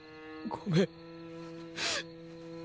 ごめん。